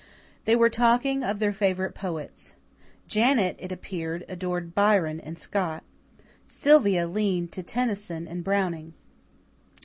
They were talking of their favourite poets. Janet, it appeared, adored Byron and Scott. Sylvia leaned to Tennyson and Browning.